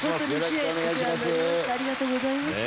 ありがとうございます。